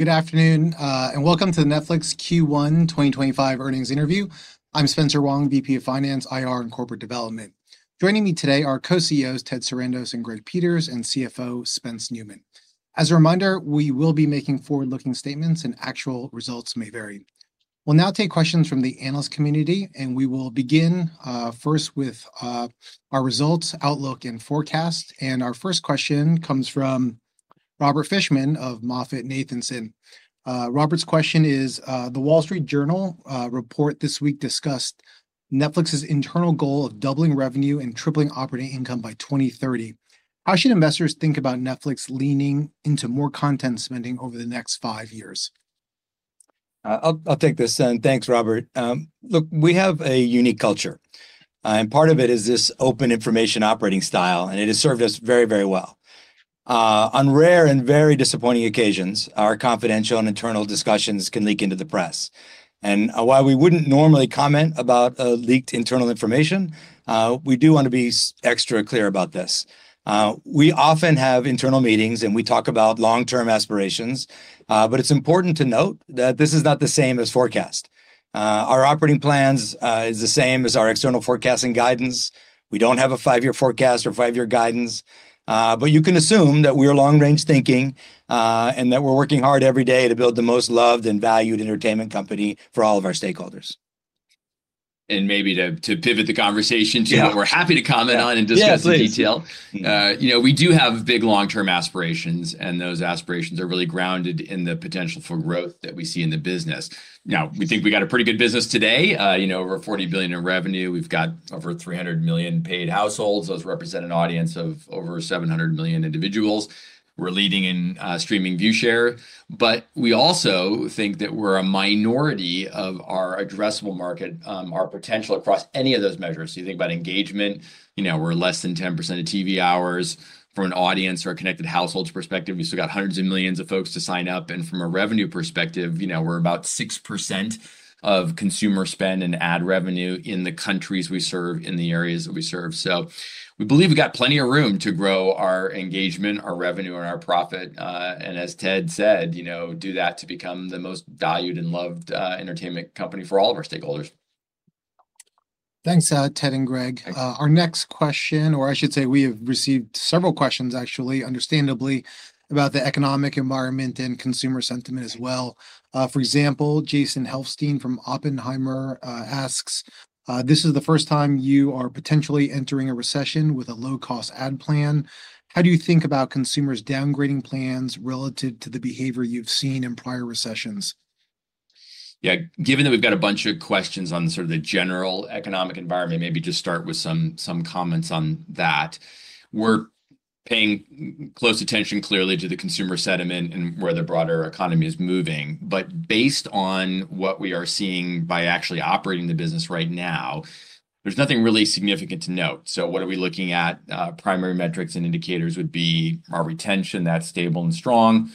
Good afternoon, and welcome to the Netflix Q1 2025 earnings interview. I'm Spencer Wang, VP of Finance, IR, and Corporate Development. Joining me today are Co-CEOs Ted Sarandos and Greg Peters, and CFO Spencer Neumann. As a reminder, we will be making forward-looking statements, and actual results may vary. We will now take questions from the analyst community, and we will begin first with our results, outlook, and forecast. Our first question comes from Robert Fishman of MoffettNathanson. Robert's question is, "The Wall Street Journal report this week discussed Netflix's internal goal of doubling revenue and tripling operating income by 2030. How should investors think about Netflix leaning into more content spending over the next five years? I'll take this, and thanks, Robert. Look, we have a unique culture, and part of it is this open information operating style, and it has served us very, very well. On rare and very disappointing occasions, our confidential and internal discussions can leak into the press. While we wouldn't normally comment about leaked internal information, we do want to be extra clear about this. We often have internal meetings, and we talk about long-term aspirations, but it's important to note that this is not the same as forecast. Our operating plans are the same as our external forecasting guidance. We don't have a five-year forecast or five-year guidance, but you can assume that we are long-range thinking and that we're working hard every day to build the most loved and valued entertainment company for all of our stakeholders. Maybe to pivot the conversation to what we're happy to comment on and discuss in detail, you know, we do have big long-term aspirations, and those aspirations are really grounded in the potential for growth that we see in the business. Now, we think we got a pretty good business today, you know, over $40 billion in revenue. We've got over 300 million paid households. Those represent an audience of over 700 million individuals. We're leading in streaming view share, but we also think that we're a minority of our addressable market, our potential across any of those measures. You think about engagement, you know, we're less than 10% of TV hours. From an audience or a connected households perspective, we still got hundreds of millions of folks to sign up. From a revenue perspective, you know, we're about 6% of consumer spend and ad revenue in the countries we serve in the areas that we serve. We believe we've got plenty of room to grow our engagement, our revenue, and our profit. As Ted said, you know, do that to become the most valued and loved entertainment company for all of our stakeholders. Thanks, Ted and Greg. Our next question, or I should say we have received several questions, actually, understandably, about the economic environment and consumer sentiment as well. For example, Jason Helfstein from Oppenheimer asks, "This is the first time you are potentially entering a recession with a low-cost ad plan. How do you think about consumers' downgrading plans relative to the behavior you've seen in prior recessions? Yeah, given that we've got a bunch of questions on sort of the general economic environment, maybe just start with some comments on that. We're paying close attention clearly to the consumer sentiment and where the broader economy is moving. Based on what we are seeing by actually operating the business right now, there's nothing really significant to note. What are we looking at? Primary metrics and indicators would be our retention that's stable and strong.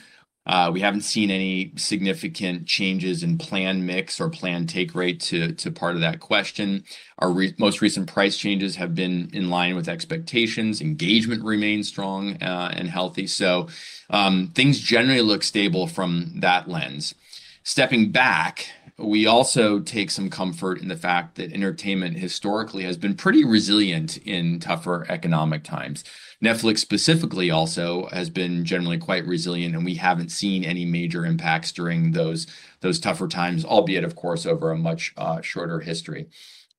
We haven't seen any significant changes in plan mix or plan take rate to part of that question. Our most recent price changes have been in line with expectations. Engagement remains strong and healthy. Things generally look stable from that lens. Stepping back, we also take some comfort in the fact that entertainment historically has been pretty resilient in tougher economic times. Netflix specifically also has been generally quite resilient, and we have not seen any major impacts during those tougher times, albeit, of course, over a much shorter history.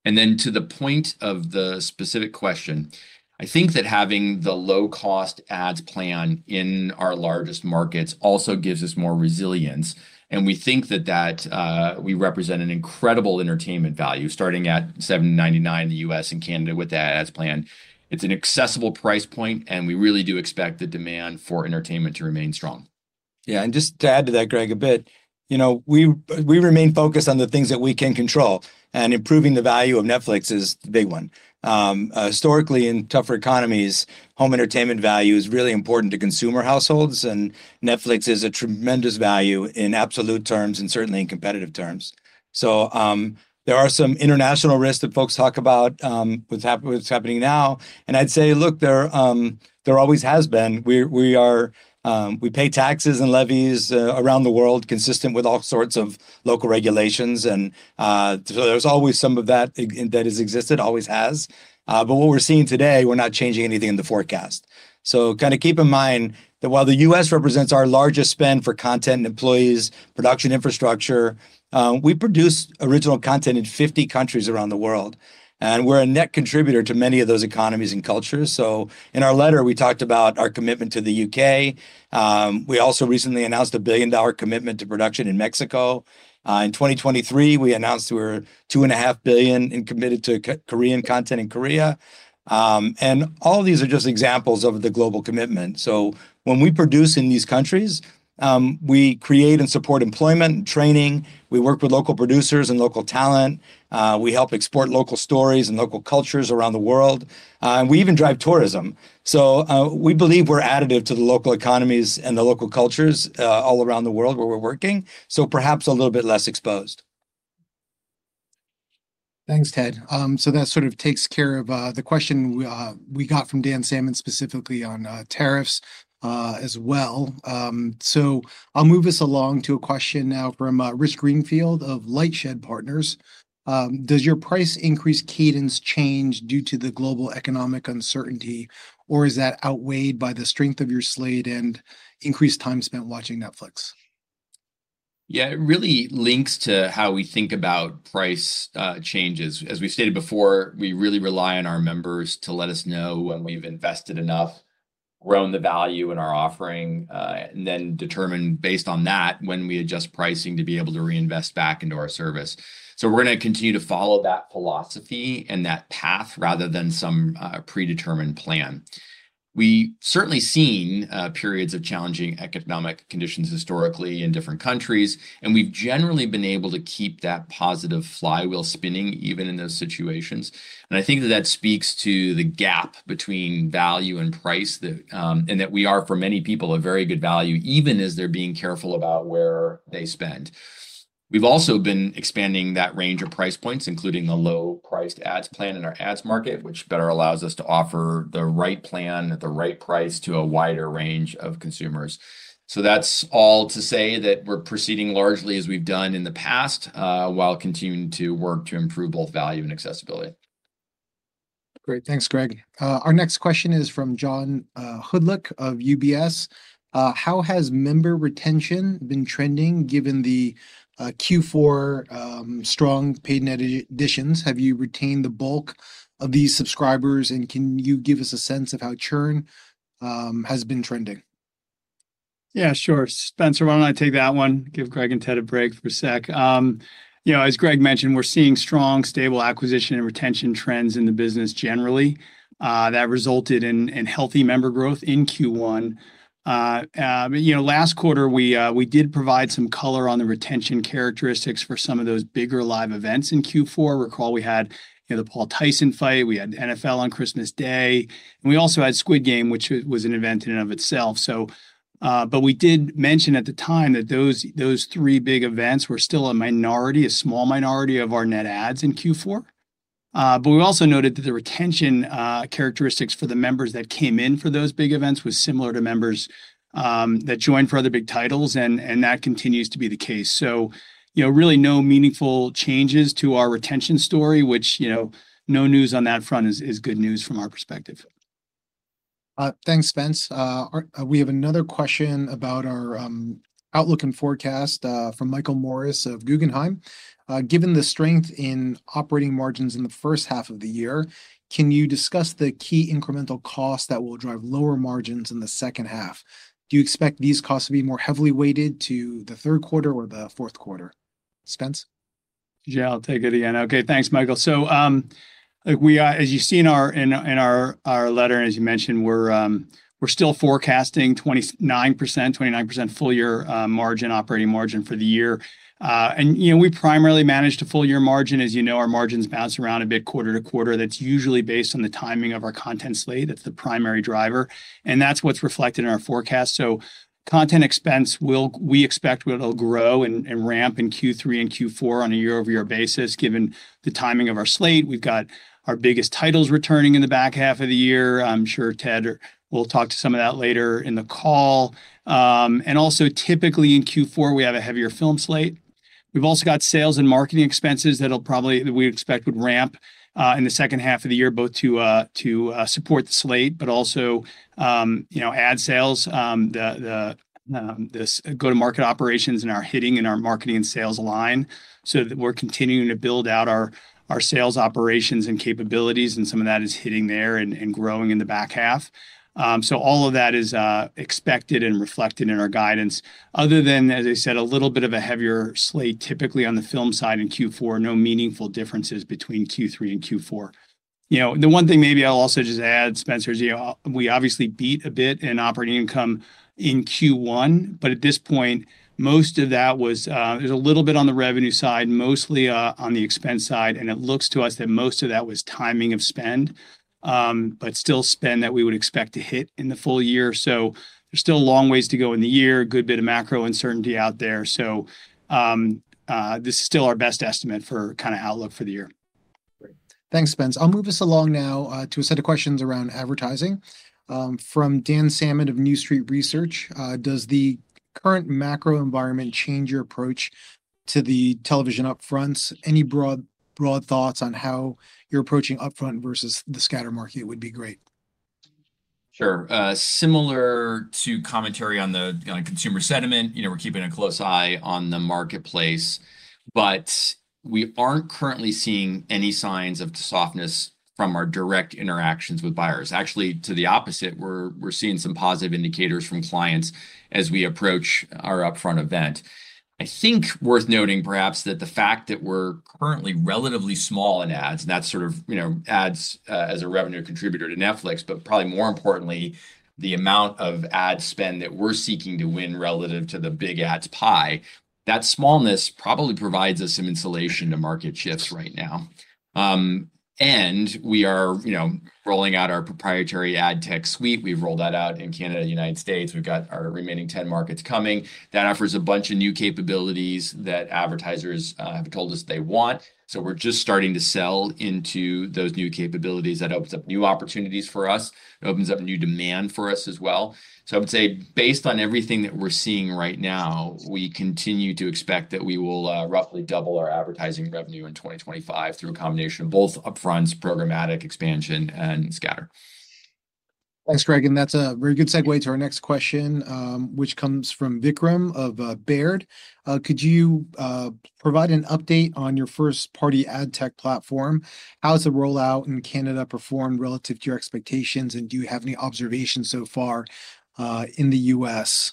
To the point of the specific question, I think that having the low-cost ads plan in our largest markets also gives us more resilience. We think that we represent an incredible entertainment value starting at $7.99 in the U.S. and Canada with the ads plan. It is an accessible price point, and we really do expect the demand for entertainment to remain strong. Yeah, and just to add to that, Greg, a bit, you know, we remain focused on the things that we can control, and improving the value of Netflix is the big one. Historically, in tougher economies, home entertainment value is really important to consumer households, and Netflix is a tremendous value in absolute terms and certainly in competitive terms. There are some international risks that folks talk about with what's happening now. I'd say, look, there always has been. We pay taxes and levies around the world consistent with all sorts of local regulations. There's always some of that that has existed, always has. What we're seeing today, we're not changing anything in the forecast. Kind of keep in mind that while the U.S. represents our largest spend for content and employees, production infrastructure, we produce original content in 50 countries around the world. We're a net contributor to many of those economies and cultures. In our letter, we talked about our commitment to the U.K. We also recently announced a $1 billion commitment to production in Mexico. In 2023, we announced we were $2.5 billion and committed to Korean content in Korea. All of these are just examples of the global commitment. When we produce in these countries, we create and support employment and training. We work with local producers and local talent. We help export local stories and local cultures around the world. We even drive tourism. We believe we're additive to the local economies and the local cultures all around the world where we're working. Perhaps a little bit less exposed. Thanks, Ted. That sort of takes care of the question we got from Dan Salmon specifically on tariffs as well. I'll move us along to a question now from Rich Greenfield of LightShed Partners. Does your price increase cadence change due to the global economic uncertainty, or is that outweighed by the strength of your slate and increased time spent watching Netflix? Yeah, it really links to how we think about price changes. As we've stated before, we really rely on our members to let us know when we've invested enough, grown the value in our offering, and then determine based on that when we adjust pricing to be able to reinvest back into our service. We're going to continue to follow that philosophy and that path rather than some predetermined plan. We've certainly seen periods of challenging economic conditions historically in different countries, and we've generally been able to keep that positive flywheel spinning even in those situations. I think that that speaks to the gap between value and price and that we are, for many people, a very good value, even as they're being careful about where they spend. have also been expanding that range of price points, including the low-priced ads plan in our ads market, which better allows us to offer the right plan at the right price to a wider range of consumers. That is all to say that we are proceeding largely as we have done in the past while continuing to work to improve both value and accessibility. Great. Thanks, Greg. Our next question is from John Hodulik of UBS. How has member retention been trending given the Q4 strong paid net additions? Have you retained the bulk of these subscribers, and can you give us a sense of how churn has been trending? Yeah, sure. Spencer, why don't I take that one? Give Greg and Ted a break for a sec. You know, as Greg mentioned, we're seeing strong, stable acquisition and retention trends in the business generally that resulted in healthy member growth in Q1. You know, last quarter, we did provide some color on the retention characteristics for some of those bigger live events in Q4. Recall we had the Paul Tyson fight, we had NFL on Christmas Day, and we also had Squid Game, which was an event in and of itself. We did mention at the time that those three big events were still a minority, a small minority of our net ads in Q4. We also noted that the retention characteristics for the members that came in for those big events were similar to members that joined for other big titles, and that continues to be the case. You know, really no meaningful changes to our retention story, which, you know, no news on that front is good news from our perspective. Thanks, Spence. We have another question about our outlook and forecast from Michael Morris of Guggenheim. Given the strength in operating margins in the first half of the year, can you discuss the key incremental costs that will drive lower margins in the second half? Do you expect these costs to be more heavily weighted to the third quarter or the fourth quarter? Spence? Yeah, I'll take it again. Okay, thanks, Michael. As you've seen in our letter, and as you mentioned, we're still forecasting 29%, 29% full-year margin, operating margin for the year. You know, we primarily manage to full-year margin. As you know, our margins bounce around a bit quarter to quarter. That's usually based on the timing of our content slate. That's the primary driver. That's what's reflected in our forecast. Content expense, we expect it'll grow and ramp in Q3 and Q4 on a year-over-year basis given the timing of our slate. We've got our biggest titles returning in the back half of the year. I'm sure Ted will talk to some of that later in the call. Also, typically in Q4, we have a heavier film slate. We've also got sales and marketing expenses that we expect would ramp in the second half of the year, both to support the slate, but also, you know, ad sales, the go-to-market operations and our hitting and our marketing and sales line. That we're continuing to build out our sales operations and capabilities, and some of that is hitting there and growing in the back half. All of that is expected and reflected in our guidance. Other than, as I said, a little bit of a heavier slate typically on the film side in Q4, no meaningful differences between Q3 and Q4. You know, the one thing maybe I'll also just add, Spencer, is, you know, we obviously beat a bit in operating income in Q1, but at this point, most of that was, there's a little bit on the revenue side, mostly on the expense side. It looks to us that most of that was timing of spend, but still spend that we would expect to hit in the full year. There is still a long ways to go in the year, a good bit of macro uncertainty out there. This is still our best estimate for kind of outlook for the year. Great. Thanks, Spence. I'll move us along now to a set of questions around advertising. From Dan Salmon of New Street Research, does the current macro environment change your approach to the television upfronts? Any broad thoughts on how you're approaching upfront versus the scatter market would be great. Sure. Similar to commentary on the consumer sentiment, you know, we're keeping a close eye on the marketplace, but we aren't currently seeing any signs of softness from our direct interactions with buyers. Actually, to the opposite, we're seeing some positive indicators from clients as we approach our upfront event. I think worth noting perhaps that the fact that we're currently relatively small in ads, and that's sort of, you know, ads as a revenue contributor to Netflix, but probably more importantly, the amount of ad spend that we're seeking to win relative to the big ads pie, that smallness probably provides us some insulation to market shifts right now. We are, you know, rolling out our proprietary ad tech suite. We've rolled that out in Canada, the U.S. We've got our remaining 10 markets coming. That offers a bunch of new capabilities that advertisers have told us they want. We are just starting to sell into those new capabilities. That opens up new opportunities for us. It opens up new demand for us as well. I would say based on everything that we are seeing right now, we continue to expect that we will roughly double our advertising revenue in 2025 through a combination of both upfronts, programmatic expansion, and scatter. Thanks, Greg. That is a very good segue to our next question, which comes from Vikram of Baird. Could you provide an update on your first-party ad tech platform? How has the rollout in Canada performed relative to your expectations, and do you have any observations so far in the U.S.?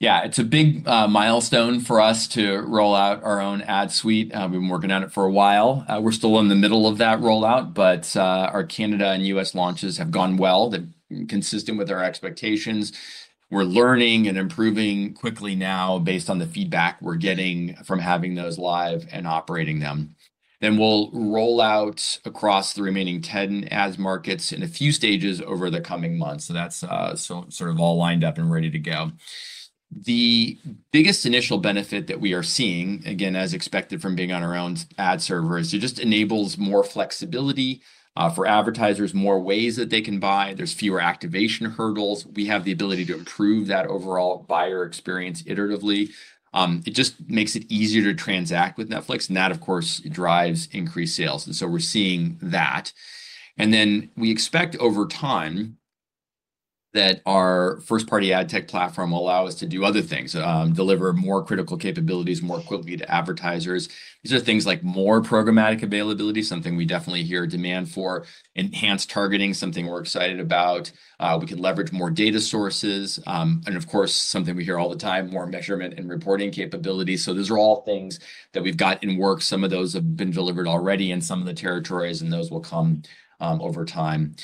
Yeah, it's a big milestone for us to roll out our own ad suite. We've been working on it for a while. We're still in the middle of that rollout, but our Canada and U.S. launches have gone well. They're consistent with our expectations. We're learning and improving quickly now based on the feedback we're getting from having those live and operating them. We will roll out across the remaining 10 ads markets in a few stages over the coming months. That is sort of all lined up and ready to go. The biggest initial benefit that we are seeing, again, as expected from being on our own ad server, is it just enables more flexibility for advertisers, more ways that they can buy. There's fewer activation hurdles. We have the ability to improve that overall buyer experience iteratively. It just makes it easier to transact with Netflix. That, of course, drives increased sales. We are seeing that. We expect over time that our first-party ad tech platform will allow us to do other things, deliver more critical capabilities more quickly to advertisers. These are things like more programmatic availability, something we definitely hear demand for, enhanced targeting, something we are excited about. We could leverage more data sources. Of course, something we hear all the time, more measurement and reporting capabilities. Those are all things that we have in work. Some of those have been delivered already in some of the territories, and those will come over time.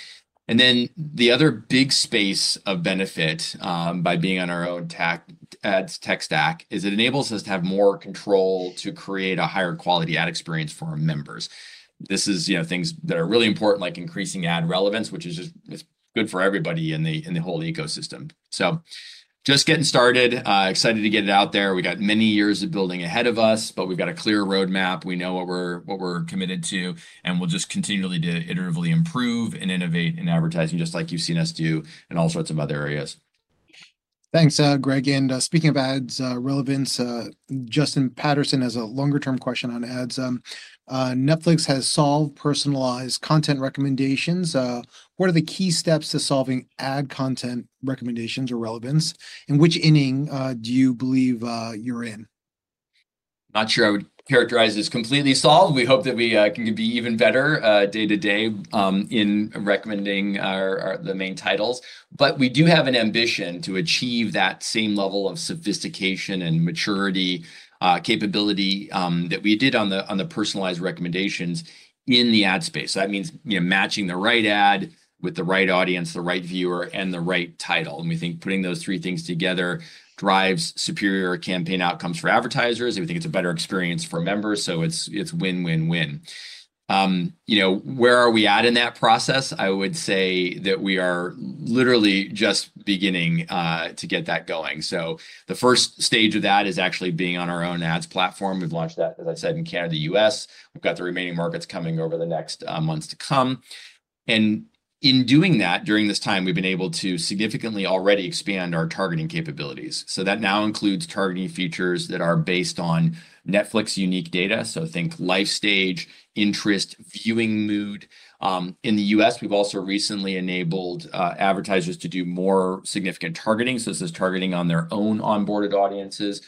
The other big space of benefit by being on our own ad tech stack is it enables us to have more control to create a higher quality ad experience for our members. This is, you know, things that are really important, like increasing ad relevance, which is just good for everybody in the whole ecosystem. Just getting started, excited to get it out there. We got many years of building ahead of us, but we've got a clear roadmap. We know what we're committed to, and we'll just continue to iteratively improve and innovate in advertising just like you've seen us do in all sorts of other areas. Thanks, Greg. Speaking of ads relevance, Justin Patterson has a longer-term question on ads. Netflix has solved personalized content recommendations. What are the key steps to solving ad content recommendations or relevance? Which inning do you believe you're in? Not sure I would characterize it as completely solved. We hope that we can be even better day to day in recommending the main titles. But we do have an ambition to achieve that same level of sophistication and maturity capability that we did on the personalized recommendations in the ad space. That means, you know, matching the right ad with the right audience, the right viewer, and the right title. We think putting those three things together drives superior campaign outcomes for advertisers. We think it's a better experience for members. It is win-win-win. You know, where are we at in that process? I would say that we are literally just beginning to get that going. The first stage of that is actually being on our own ads platform. We've launched that, as I said, in Canada, the U.S. We've got the remaining markets coming over the next months to come. In doing that, during this time, we've been able to significantly already expand our targeting capabilities. That now includes targeting features that are based on Netflix unique data. Think life stage, interest, viewing mood. In the U.S., we've also recently enabled advertisers to do more significant targeting. This is targeting on their own onboarded audiences,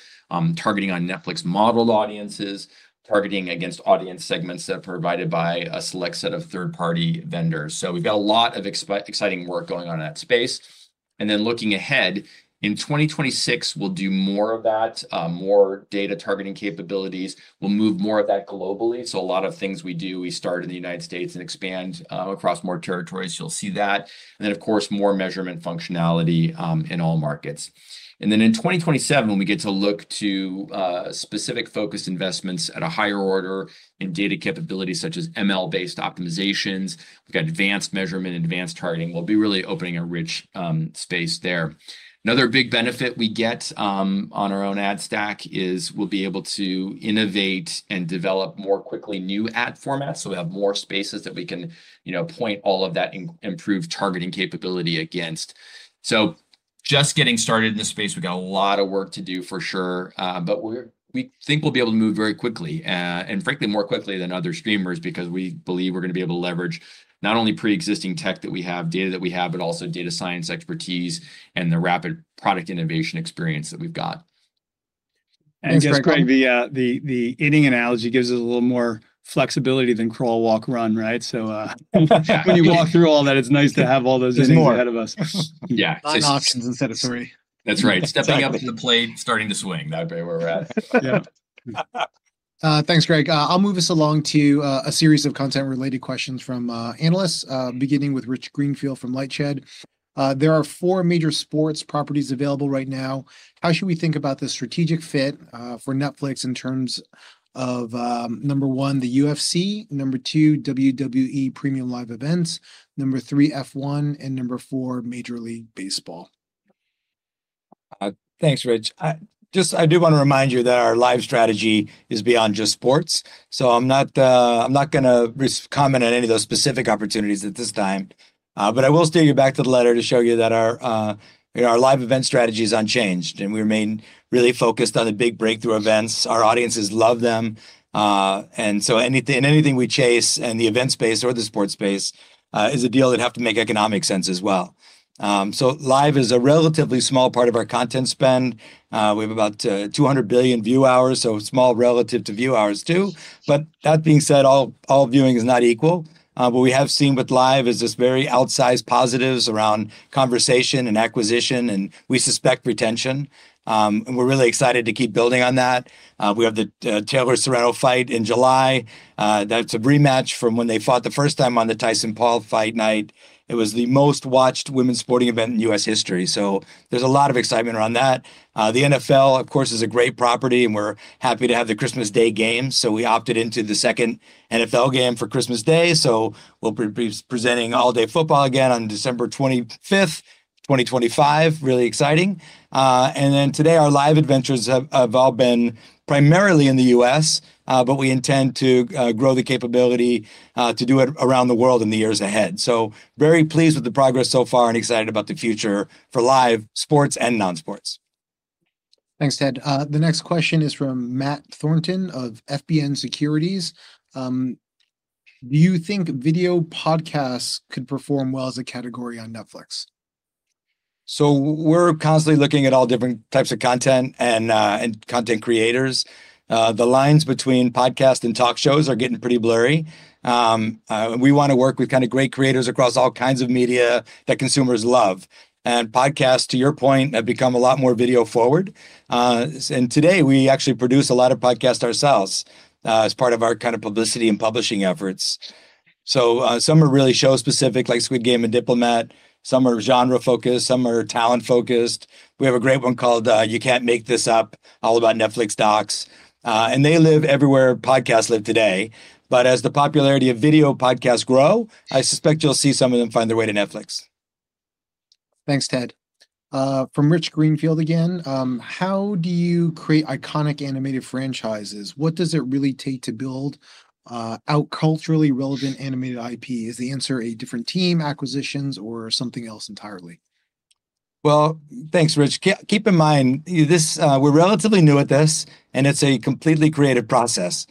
targeting on Netflix modeled audiences, targeting against audience segments that are provided by a select set of third-party vendors. We've got a lot of exciting work going on in that space. Looking ahead, in 2026, we'll do more of that, more data targeting capabilities. We'll move more of that globally. A lot of things we do, we start in the United States and expand across more territories. You'll see that. Of course, more measurement functionality in all markets. In 2027, when we get to look to specific focused investments at a higher order in data capabilities such as ML-based optimizations, we have advanced measurement, advanced targeting. We will be really opening a rich space there. Another big benefit we get on our own ad stack is we will be able to innovate and develop more quickly new ad formats. We have more spaces that we can, you know, point all of that improved targeting capability against. Just getting started in this space, we've got a lot of work to do for sure, but we think we'll be able to move very quickly and frankly more quickly than other streamers because we believe we're going to be able to leverage not only pre-existing tech that we have, data that we have, but also data science expertise and the rapid product innovation experience that we've got. Spencer, the inning analogy gives us a little more flexibility than crawl, walk, run, right? So when you walk through all that, it's nice to have all those innings ahead of us. Yeah. Nine options instead of three. That's right. Stepping up to the plate, starting to swing. That'd be where we're at. Yeah. Thanks, Greg. I'll move us along to a series of content-related questions from analysts, beginning with Rich Greenfield from LightShed. There are four major sports properties available right now. How should we think about the strategic fit for Netflix in terms of, number one, the UFC, number two, WWE Premium Live Events, number three, F1, and number four, Major League Baseball? Thanks, Rich. I do want to remind you that our live strategy is beyond just sports. I am not going to comment on any of those specific opportunities at this time. I will steer you back to the letter to show you that our live event strategy is unchanged and we remain really focused on the big breakthrough events. Our audiences love them. Anything we chase in the event space or the sports space is a deal that has to make economic sense as well. Live is a relatively small part of our content spend. We have about 200 billion view hours, so small relative to view hours too. That being said, all viewing is not equal. What we have seen with live is this very outsized positives around conversation and acquisition, and we suspect retention. We're really excited to keep building on that. We have the Taylor Serrano fight in July. That's a rematch from when they fought the first time on the Tyson-Paul fight night. It was the most watched women's sporting event in U.S. history. There is a lot of excitement around that. The NFL, of course, is a great property, and we're happy to have the Christmas Day game. We opted into the second NFL game for Christmas Day. We'll be presenting all-day football again on December 25, 2025. Really exciting. Today, our live adventures have all been primarily in the U.S., but we intend to grow the capability to do it around the world in the years ahead. Very pleased with the progress so far and excited about the future for live sports and non-sports. Thanks, Ted. The next question is from Matt Thornton of FBN Securities. Do you think video podcasts could perform well as a category on Netflix? We're constantly looking at all different types of content and content creators. The lines between podcast and talk shows are getting pretty blurry. We want to work with kind of great creators across all kinds of media that consumers love. And podcasts, to your point, have become a lot more video forward. Today, we actually produce a lot of podcasts ourselves as part of our kind of publicity and publishing efforts. Some are really show-specific, like Squid Game and The Diplomat. Some are genre-focused. Some are talent-focused. We have a great one called You Can't Make This Up, all about Netflix docs. They live everywhere podcasts live today. As the popularity of video podcasts grows, I suspect you'll see some of them find their way to Netflix. Thanks, Ted. From Rich Greenfield again, how do you create iconic animated franchises? What does it really take to build out culturally relevant animated IP? Is the answer a different team, acquisitions, or something else entirely? Thanks, Rich. Keep in mind, we're relatively new at this, and it's a completely creative process.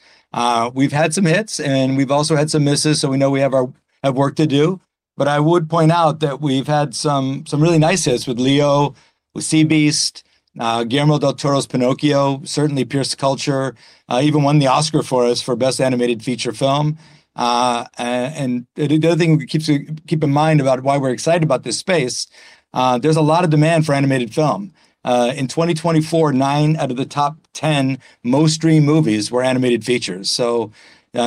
We've had some hits, and we've also had some misses, so we know we have work to do. I would point out that we've had some really nice hits with Leo, with Sea Beast, Guillermo del Toro's Pinocchio, certainly Pinocchio even won the Oscar for us for Best Animated Feature Film. The other thing to keep in mind about why we're excited about this space, there's a lot of demand for animated film. In 2024, nine out of the top 10 most-streamed movies were animated features.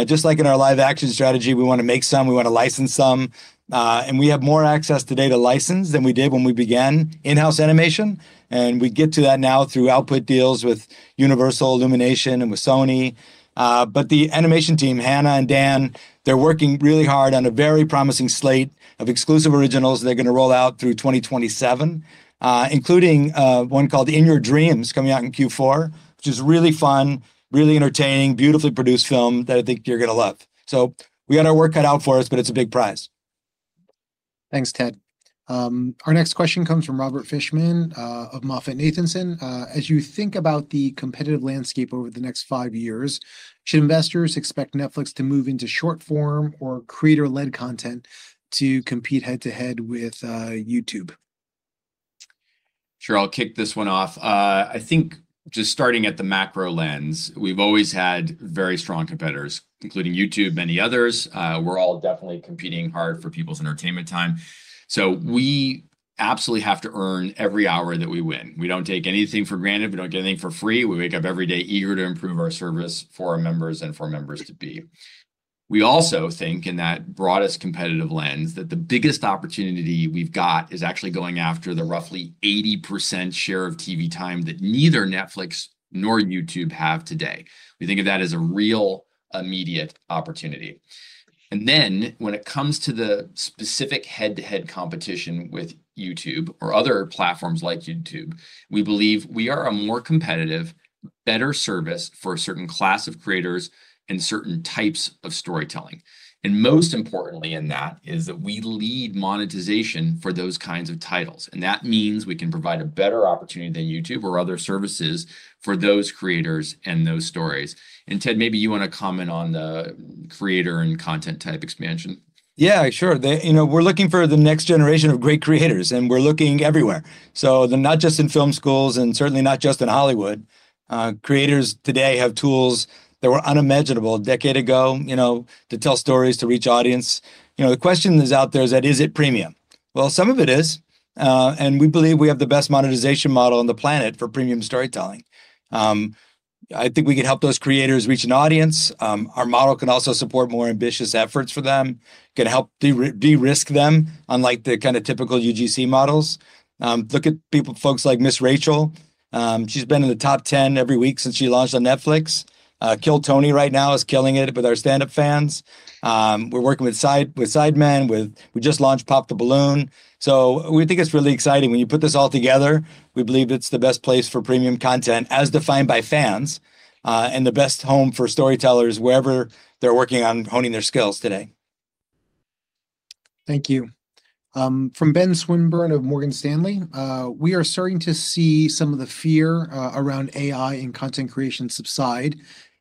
Just like in our live-action strategy, we want to make some, we want to license some. We have more access today to license than we did when we began in-house animation. We get to that now through output deals with Universal Illumination and with Sony. The animation team, Hannah and Dan, they're working really hard on a very promising slate of exclusive originals they're going to roll out through 2027, including one called In Your Dreams coming out in Q4, which is really fun, really entertaining, beautifully produced film that I think you're going to love. We got our work cut out for us, but it's a big prize. Thanks, Ted. Our next question comes from Robert Fishman of MoffettNathanson. As you think about the competitive landscape over the next five years, should investors expect Netflix to move into short-form or creator-led content to compete head-to-head with YouTube? Sure, I'll kick this one off. I think just starting at the macro lens, we've always had very strong competitors, including YouTube, many others. We're all definitely competing hard for people's entertainment time. We absolutely have to earn every hour that we win. We don't take anything for granted. We don't get anything for free. We wake up every day eager to improve our service for our members and for members to be. We also think in that broadest competitive lens that the biggest opportunity we've got is actually going after the roughly 80% share of TV time that neither Netflix nor YouTube have today. We think of that as a real immediate opportunity. When it comes to the specific head-to-head competition with YouTube or other platforms like YouTube, we believe we are a more competitive, better service for a certain class of creators and certain types of storytelling. Most importantly in that is that we lead monetization for those kinds of titles. That means we can provide a better opportunity than YouTube or other services for those creators and those stories. Ted, maybe you want to comment on the creator and content type expansion. Yeah, sure. You know, we're looking for the next generation of great creators, and we're looking everywhere. Not just in film schools and certainly not just in Hollywood. Creators today have tools that were unimaginable a decade ago, you know, to tell stories, to reach audience. You know, the question that's out there is, is it premium? Some of it is. We believe we have the best monetization model on the planet for premium storytelling. I think we can help those creators reach an audience. Our model can also support more ambitious efforts for them. Can help de-risk them, unlike the kind of typical UGC models. Look at folks like Ms. Rachel. She's been in the top 10 every week since she launched on Netflix. Kill Tony right now is killing it with our stand-up fans. We're working with Sidemen. We just launched Pop the Balloon. We think it's really exciting. When you put this all together, we believe it's the best place for premium content as defined by fans and the best home for storytellers wherever they're working on honing their skills today. Thank you. From Ben Swinburne of Morgan Stanley, we are starting to see some of the fear around AI and content creation subside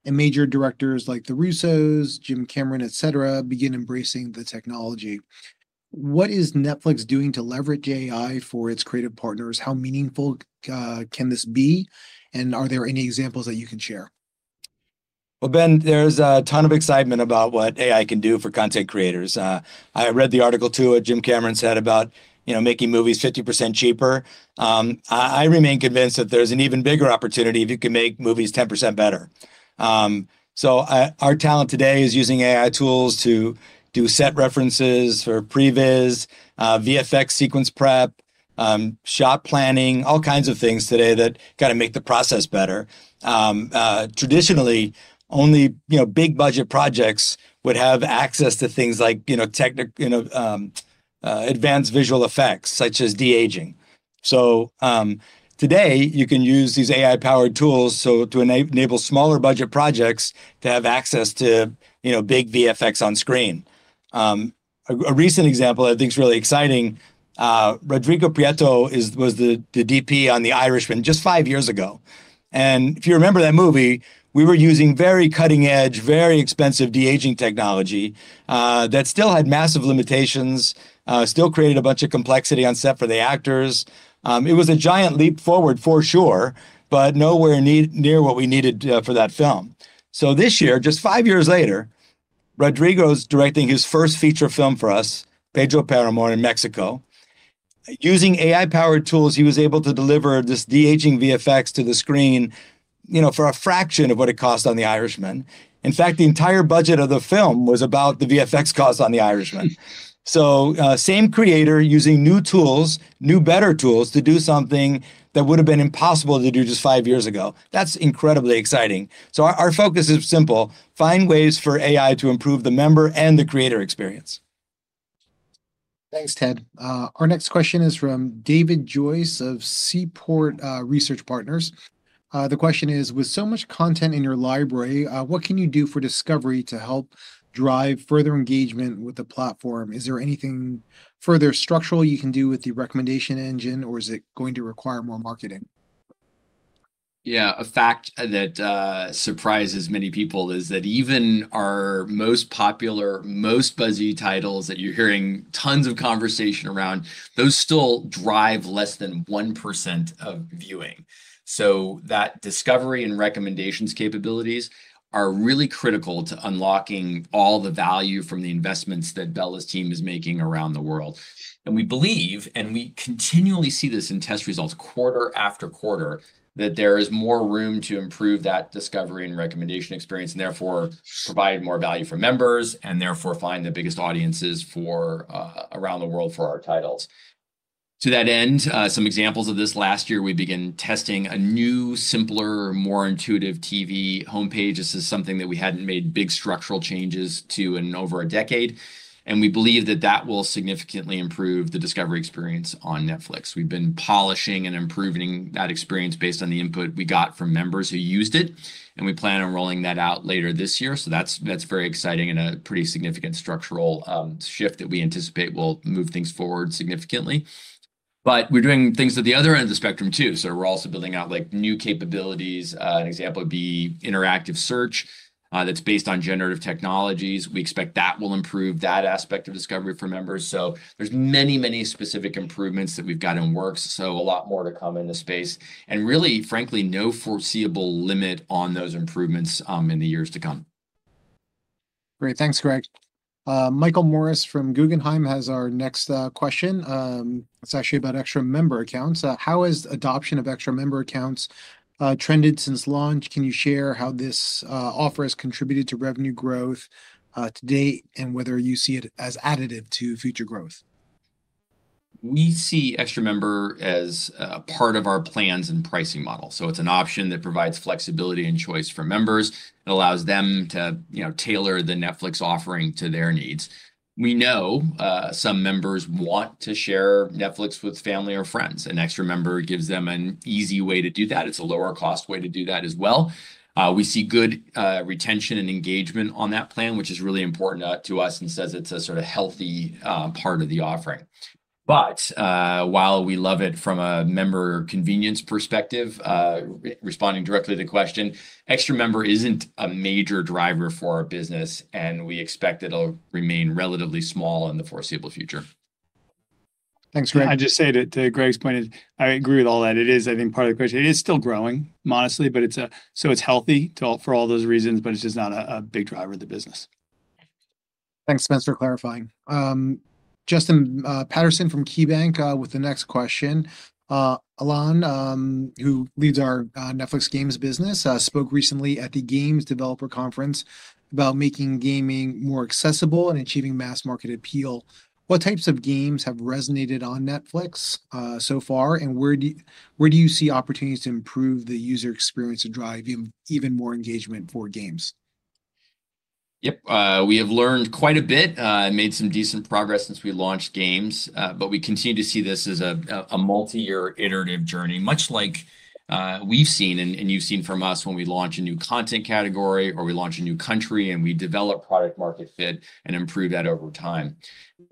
and major directors like the Russos, James Cameron, et cetera, begin embracing the technology. What is Netflix doing to leverage AI for its creative partners? How meaningful can this be? Are there any examples that you can share? Ben, there's a ton of excitement about what AI can do for content creators. I read the article too at Jim Cameron's head about, you know, making movies 50% cheaper. I remain convinced that there's an even bigger opportunity if you can make movies 10% better. Our talent today is using AI tools to do set references for previz, VFX sequence prep, shot planning, all kinds of things today that kind of make the process better. Traditionally, only, you know, big budget projects would have access to things like, you know, advanced visual effects such as de-aging. Today, you can use these AI-powered tools to enable smaller budget projects to have access to, you know, big VFX on screen. A recent example I think is really exciting, Rodrigo Prieto was the DP on The Irishman just five years ago. If you remember that movie, we were using very cutting-edge, very expensive de-aging technology that still had massive limitations, still created a bunch of complexity on set for the actors. It was a giant leap forward for sure, but nowhere near what we needed for that film. This year, just five years later, Rodrigo's directing his first feature film for us, Pedro Páramo in Mexico. Using AI-powered tools, he was able to deliver this de-aging VFX to the screen, you know, for a fraction of what it cost on The Irishman. In fact, the entire budget of the film was about the VFX cost on The Irishman. Same creator using new tools, new better tools to do something that would have been impossible to do just five years ago. That's incredibly exciting. Our focus is simple. Find ways for AI to improve the member and the creator experience. Thanks, Ted. Our next question is from David Joyce of Seaport Research Partners. The question is, with so much content in your library, what can you do for discovery to help drive further engagement with the platform? Is there anything further structural you can do with the recommendation engine, or is it going to require more marketing? Yeah, a fact that surprises many people is that even our most popular, most buzzy titles that you're hearing tons of conversation around, those still drive less than 1% of viewing. That discovery and recommendations capabilities are really critical to unlocking all the value from the investments that Bella's team is making around the world. We believe, and we continually see this in test results quarter after quarter, that there is more room to improve that discovery and recommendation experience and therefore provide more value for members and therefore find the biggest audiences around the world for our titles. To that end, some examples of this last year, we began testing a new, simpler, more intuitive TV homepage. This is something that we hadn't made big structural changes to in over a decade. We believe that that will significantly improve the discovery experience on Netflix. We've been polishing and improving that experience based on the input we got from members who used it. We plan on rolling that out later this year. That's very exciting and a pretty significant structural shift that we anticipate will move things forward significantly. We're doing things at the other end of the spectrum too. We're also building out new capabilities. An example would be interactive search that's based on generative technologies. We expect that will improve that aspect of discovery for members. There are many, many specific improvements that we've got in works. A lot more to come in the space. Really, frankly, no foreseeable limit on those improvements in the years to come. Great. Thanks, Greg. Michael Morris from Guggenheim has our next question. It's actually about extra member accounts. How has adoption of extra member accounts trended since launch? Can you share how this offer has contributed to revenue growth to date and whether you see it as additive to future growth? We see extra member as a part of our plans and pricing model. It is an option that provides flexibility and choice for members. It allows them to tailor the Netflix offering to their needs. We know some members want to share Netflix with family or friends. An extra member gives them an easy way to do that. It is a lower-cost way to do that as well. We see good retention and engagement on that plan, which is really important to us and says it is a sort of healthy part of the offering. While we love it from a member convenience perspective, responding directly to the question, extra member is not a major driver for our business, and we expect it will remain relatively small in the foreseeable future. Thanks, Greg. I just say to Greg's point, I agree with all that. It is, I think, part of the question. It is still growing, honestly, but it is healthy for all those reasons, but it is just not a big driver of the business. Thanks, Spencer, clarifying. Justin Patterson from KeyBanc with the next question. Alan, who leads our Netflix games business, spoke recently at the Games Developer Conference about making gaming more accessible and achieving mass market appeal. What types of games have resonated on Netflix so far, and where do you see opportunities to improve the user experience to drive even more engagement for games? Yep. We have learned quite a bit. Made some decent progress since we launched games, but we continue to see this as a multi-year iterative journey, much like we've seen and you've seen from us when we launch a new content category or we launch a new country and we develop product-market fit and improve that over time.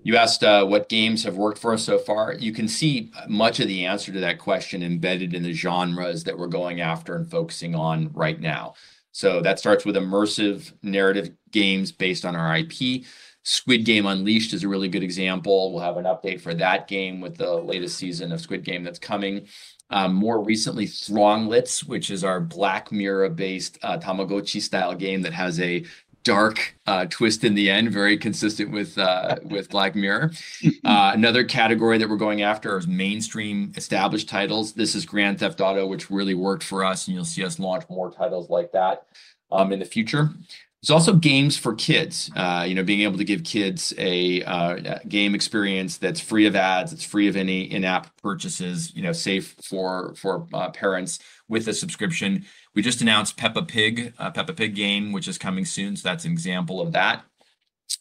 You asked what games have worked for us so far. You can see much of the answer to that question embedded in the genres that we're going after and focusing on right now. That starts with immersive narrative games based on our IP. Squid Game Unleashed is a really good example. We will have an update for that game with the latest season of Squid Game that's coming. More recently, Thronglets, which is our Black Mirror-based Tamagotchi-style game that has a dark twist in the end, very consistent with Black Mirror. Another category that we're going after is mainstream established titles. This is Grand Theft Auto, which really worked for us, and you'll see us launch more titles like that in the future. There's also games for kids, you know, being able to give kids a game experience that's free of ads, it's free of any in-app purchases, you know, safe for parents with a subscription. We just announced Peppa Pig, Peppa Pig Game, which is coming soon. That's an example of that.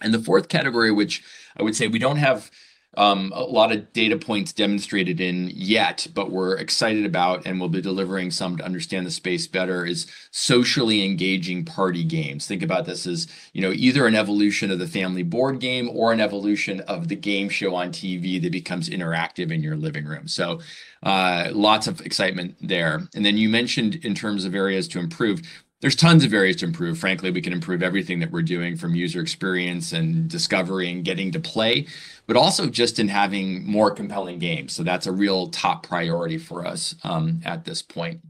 The fourth category, which I would say we don't have a lot of data points demonstrated in yet, but we're excited about and we'll be delivering some to understand the space better, is socially engaging party games. Think about this as, you know, either an evolution of the family board game or an evolution of the game show on TV that becomes interactive in your living room. Lots of excitement there. You mentioned in terms of areas to improve, there are tons of areas to improve. Frankly, we can improve everything that we're doing from user experience and discovery and getting to play, but also just in having more compelling games. That's a real top priority for us at this point.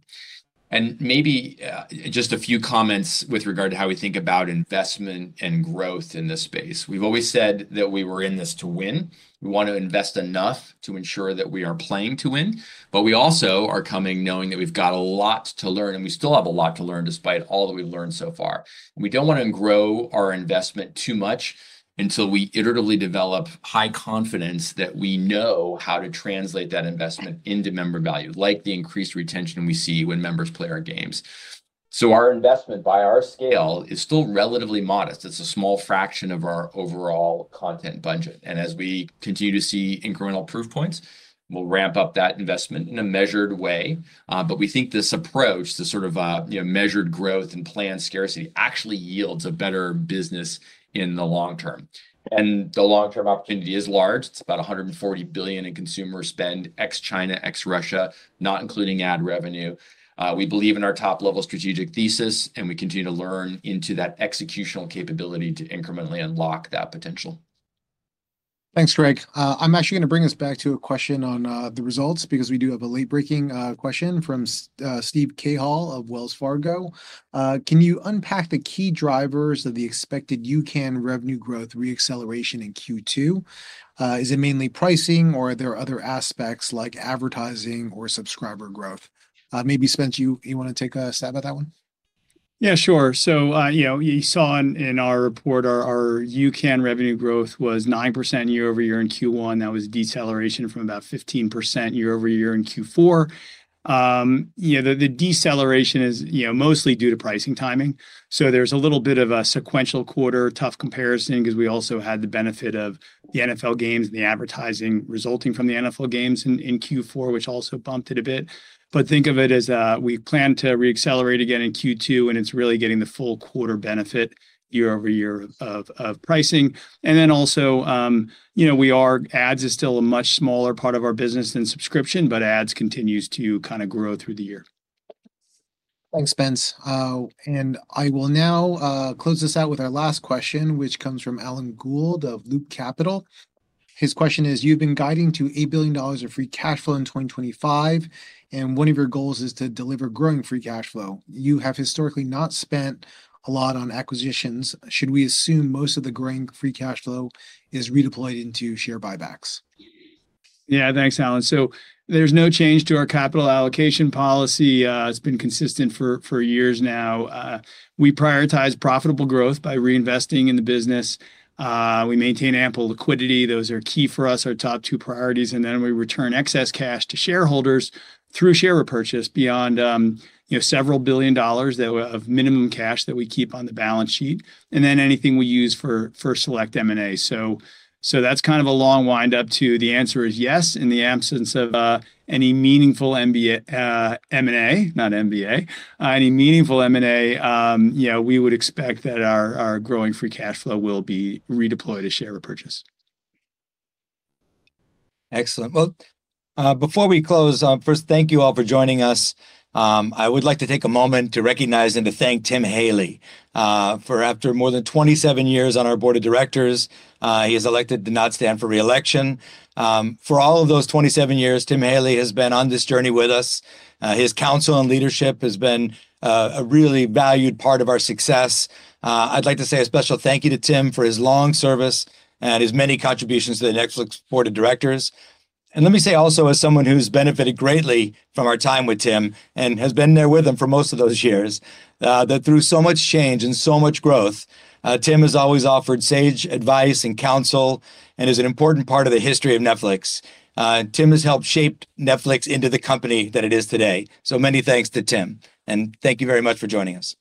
Maybe just a few comments with regard to how we think about investment and growth in this space. We've always said that we were in this to win. We want to invest enough to ensure that we are playing to win. We also are coming knowing that we've got a lot to learn, and we still have a lot to learn despite all that we've learned so far. We don't want to grow our investment too much until we iteratively develop high confidence that we know how to translate that investment into member value, like the increased retention we see when members play our games. Our investment by our scale is still relatively modest. It's a small fraction of our overall content budget. As we continue to see incremental proof points, we'll ramp up that investment in a measured way. We think this approach, this sort of measured growth and planned scarcity actually yields a better business in the long term. The long-term opportunity is large. It's about $140 billion in consumer spend ex-China, ex-Russia, not including ad revenue. We believe in our top-level strategic thesis, and we continue to lean into that executional capability to incrementally unlock that potential. Thanks, Greg. I'm actually going to bring us back to a question on the results because we do have a late-breaking question from Steve Cahill of Wells Fargo. Can you unpack the key drivers of the expected UCAN revenue growth re-acceleration in Q2? Is it mainly pricing, or are there other aspects like advertising or subscriber growth? Maybe Spencer, you want to take a stab at that one? Yeah, sure. So, you know, you saw in our report, our UCAN revenue growth was 9% year-over-year in Q1. That was deceleration from about 15% year-over-year in Q4. You know, the deceleration is, you know, mostly due to pricing timing. There is a little bit of a sequential quarter tough comparison because we also had the benefit of the NFL games and the advertising resulting from the NFL games in Q4, which also bumped it a bit. Think of it as we plan to re-accelerate again in Q2, and it is really getting the full quarter benefit year-over-year of pricing. And then also, you know, our ads is still a much smaller part of our business than subscription, but ads continues to kind of grow through the year. Thanks, Spence. I will now close this out with our last question, which comes from Alan Gould of Loop Capital. His question is, you've been guiding to $8 billion of free cash flow in 2025, and one of your goals is to deliver growing free cash flow. You have historically not spent a lot on acquisitions. Should we assume most of the growing free cash flow is redeployed into share buybacks? Yeah, thanks, Alan. There's no change to our capital allocation policy. It's been consistent for years now. We prioritize profitable growth by reinvesting in the business. We maintain ample liquidity. Those are key for us, our top two priorities. We return excess cash to shareholders through share repurchase beyond, you know, several billion dollars of minimum cash that we keep on the balance sheet. Anything we use for select M&A. That's kind of a long windup to the answer is yes. In the absence of any meaningful M&A, not MBA, any meaningful M&A, you know, we would expect that our growing free cash flow will be redeployed to share repurchase. Excellent. Before we close, first, thank you all for joining us. I would like to take a moment to recognize and to thank Tim Haley for, after more than 27 years on our board of directors, he has elected to not stand for reelection. For all of those 27 years, Tim Haley has been on this journey with us. His counsel and leadership has been a really valued part of our success. I'd like to say a special thank you to Tim for his long service and his many contributions to the Netflix board of directors. Let me say also, as someone who's benefited greatly from our time with Tim and has been there with him for most of those years, that through so much change and so much growth, Tim has always offered sage advice and counsel and is an important part of the history of Netflix. Tim has helped shape Netflix into the company that it is today. Many thanks to Tim, and thank you very much for joining us.